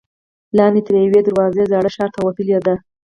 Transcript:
لاندې ترې یوه دروازه زاړه ښار ته وتلې ده.